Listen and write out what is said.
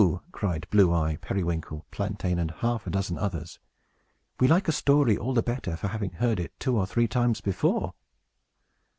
cried Blue Eye, Periwinkle, Plantain, and half a dozen others. "We like a story all the better for having heard it two or three times before."